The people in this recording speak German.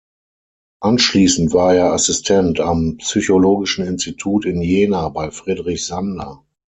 Anschließend war er Assistent am psychologischen Institut in Jena bei Friedrich Sander.